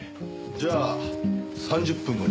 じゃあ３０分後に。